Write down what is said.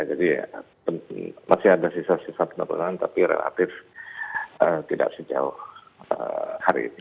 jadi masih ada sisa sisa penurunan tapi relatif tidak sejauh hari ini